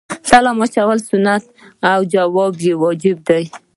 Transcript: سلام اچول سنت او جواب یې واجب دی